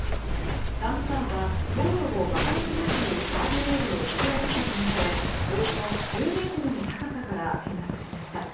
ダンプカーは道路を曲がり切れずにガードレールを突き破ったとみられおよそ１０ｍの高さから転落しました。